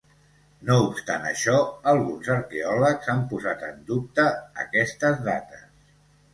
No obstant això, alguns arqueòlegs han posat en dubte aquestes dates.